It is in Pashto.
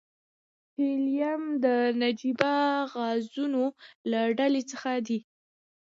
هیلیم د نجیبه غازونو له ډلې څخه دی.